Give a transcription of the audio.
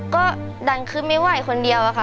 ก็ดันขึ้นไม่ไหวคนเดียวอะค่ะ